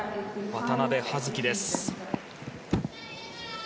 渡部葉月です。